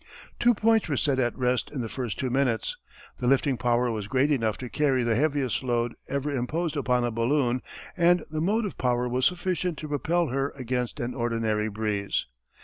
Two points were set at rest in the first two minutes the lifting power was great enough to carry the heaviest load ever imposed upon a balloon and the motive power was sufficient to propel her against an ordinary breeze.